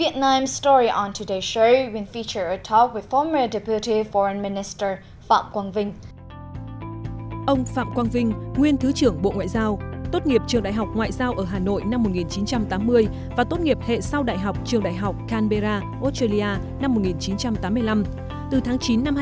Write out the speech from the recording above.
chuyện việt nam sẽ phát triển một bài hát với phạm quang vinh nguyên thứ trưởng ngoại giao phạm quang vinh